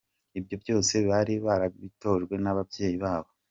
Ibyo byose bari barabitojwe n’ababyeyi babo.